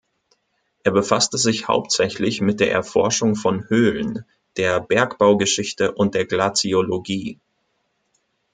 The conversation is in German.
Er befasste sich hauptsächlich mit der Erforschung von Höhlen, der Bergbaugeschichte und der Glaziologie.